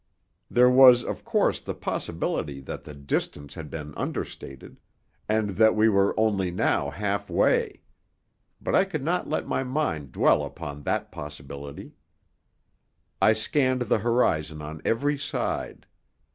There was, of course, the possibility that the distance had been understated, and that we were only now half way. But I could not let my mind dwell upon that possibility. I scanned the horizon on every side.